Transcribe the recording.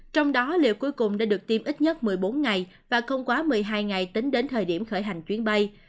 trong đó liệu cuối cùng đã được tiêm ít nhất một mươi bốn ngày và không quá một mươi hai ngày tính đến thời điểm khởi hành chuyến bay